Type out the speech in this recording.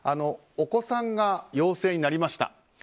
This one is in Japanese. お子さんが陽性になりました。